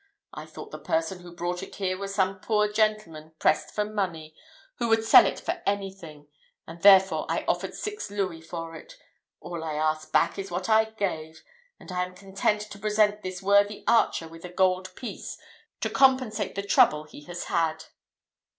I thought the person who brought it here was some poor gentleman, pressed for money, who would sell it for anything; and, therefore, I offered six louis for it. All I ask back is what I gave, and I am content to present this worthy archer with a gold piece to compensate the trouble he has had."